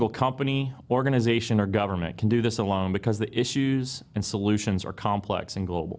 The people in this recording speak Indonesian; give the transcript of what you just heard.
tiada satu perusahaan organisasi atau pemerintah yang bisa melakukan ini sendiri karena masalah dan solusi tersebut terlalu rumit dan global